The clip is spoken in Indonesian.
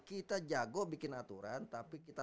kita jago bikin aturan tapi kita